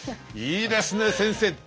いいですね先生。